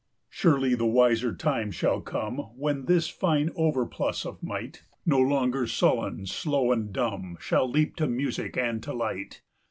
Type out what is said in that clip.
40 Surely the wiser time shall come When this fine overplus of might, No longer sullen, slow, and dumb, Shall leap to music and to light.